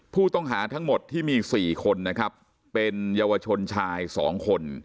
ผู้ต้องหาทั้งหมดที่มี๔คนนะครับเป็นเยาวชนชาย๒คน